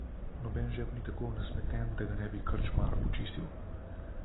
Noben žep ni tako nasmeten, da ga ne bi krčmar počistil.